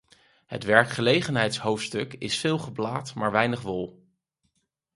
Het werkgelegenheidshoofdstuk is veel geblaat, maar weinig wol.